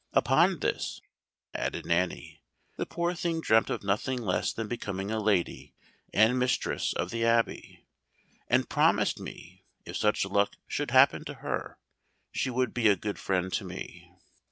Upon this," added Nanny, "the poor thing dreamt of nothing less than becoming a lady, and mistress of the Abbey; and promised me, if such luck should happen to her, she would be a good friend to me.